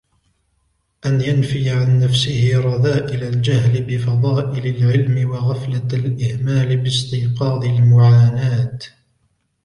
أَنْ يَنْفِيَ عَنْ نَفْسِهِ رَذَائِلَ الْجَهْلِ بِفَضَائِلِ الْعِلْمِ وَغَفْلَةَ الْإِهْمَالِ بِاسْتِيقَاظِ الْمُعَانَاةِ